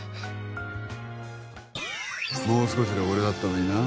もう少しで俺だったのになあ